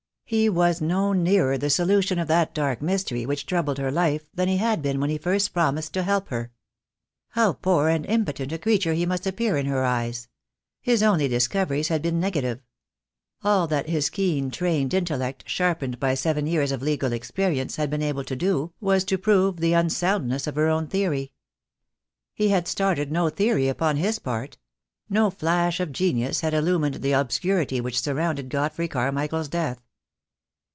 He was no nearer the solution of that dark mystery which troubled her life than he had been when he first promised to help her. How poor and impotent a creature he must appear in her eyes. His only discoveries had been negative. All that his keen, trained intellect, sharpened by seven years of legal experience, had been able to do was to prove the unsoundness of her own theory. He had started no theory upon his part. No flash of genius had illumined the obscurity which surrounded Godfrey Carmichael's death.